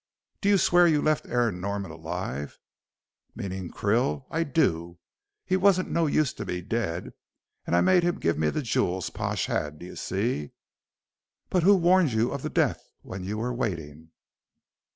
"Do you swear you left Aaron Norman alive?" "Meaning Krill? I do. He wasn't no use to me dead, and I made him give me the jewels Pash had, d'ye see." "But who warned you of the death when you were waiting?"